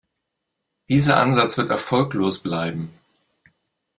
Dieser Ansatz wird erfolglos bleiben.